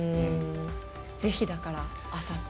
ぜひ、だからあさって。